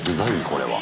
これは。